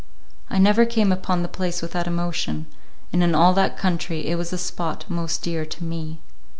I never came upon the place without emotion, and in all that country it was the spot most dear to me.